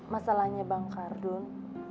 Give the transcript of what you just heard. masalahnya bang khardun